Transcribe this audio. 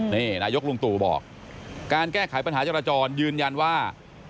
นี่นายกลุงตู่บอกการแก้ไขปัญหาจราจรยืนยันว่า